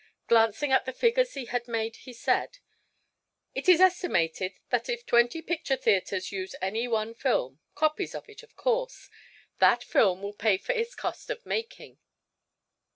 Glancing at the figures he had made he said: "It is estimated that if twenty picture theatres use any one film copies of it, of course that film will pay for its cost of making.